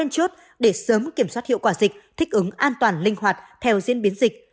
một mươi chốt để sớm kiểm soát hiệu quả dịch thích ứng an toàn linh hoạt theo diễn biến dịch